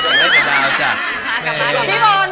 สำคัญ